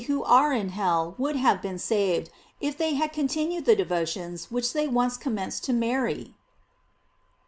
who are in hell would have been saved, if they had continued the devotions which they once commenced to Mary